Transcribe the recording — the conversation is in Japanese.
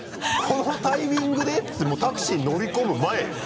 このタイミングで？ってもうタクシーに乗り込む前よ。